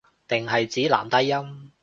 定係指男低音